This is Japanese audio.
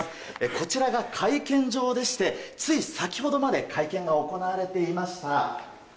こちらが会見場でしてつい先ほどまで会見が行われていました。